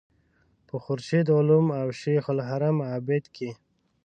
په خورشید علوم او شیخ الحرم عابد کې.